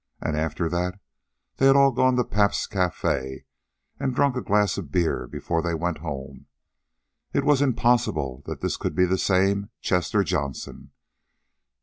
And after that they had all gone to Pabst's Cafe and drunk a glass of beer before they went home. It was impossible that this could be the same Chester Johnson.